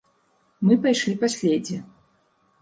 Мы пайшлі па следзе.